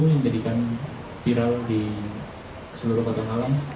saya ingin menjadikan viral di seluruh kota malam